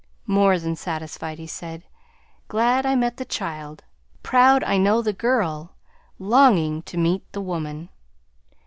"More than satisfied!" he said; "glad I met the child, proud I know the girl, longing to meet the woman!"